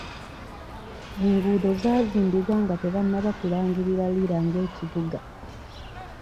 Enguudo zaazimbibwa nga tebanaba kulangirira Lira nga ekibuga.